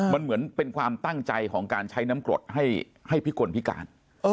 มันเหมือนเป็นความตั้งใจของการใช้น้ำกรดให้พิกลพิการ